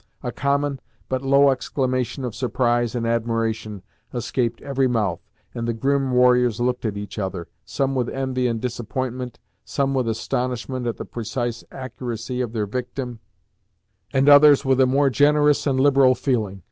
A common, but low exclamation of surprise and admiration escaped every mouth, and the grim warriors looked at each other, some with envy and disappointment, some with astonishment at the precise accuracy of their victim, and others with a more generous and liberal feeling.